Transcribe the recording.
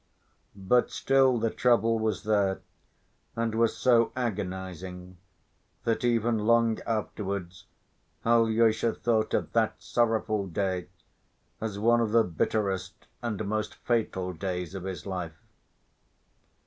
But still the trouble was there and was so agonizing that even long afterwards Alyosha thought of that sorrowful day as one of the bitterest and most fatal days of his life.